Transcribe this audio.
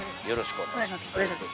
お願いします。